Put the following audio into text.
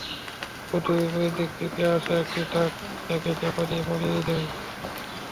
পথে বিপরীত দিক থেকে আসা একটি ট্রাক তাঁকে চাপা দিয়ে পালিয়ে যায়।